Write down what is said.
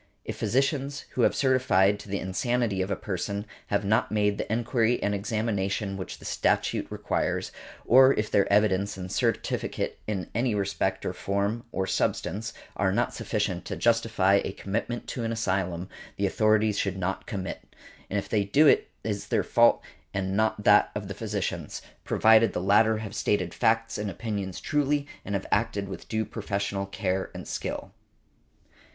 If physicians, who have certified to the insanity of a person, have not made the enquiry and examination which the statute requires, or if their evidence and certificate in any respect of form or substance are not sufficient to justify a commitment to an asylum, the authorities should not commit, and if they do it is their fault and not that of the physicians, provided the latter have stated facts and opinions truly and have acted with due professional care and skill .